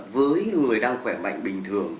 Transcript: với người đang khỏe mạnh bình thường